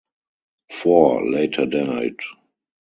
Four later died.